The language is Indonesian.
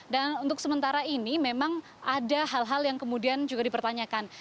dan untuk sementara ini memang ada hal hal yang kemudian juga dipertanyakan